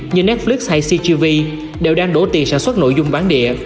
như netflix hay cgv đều đang đổ tiền sản xuất nội dung bán địa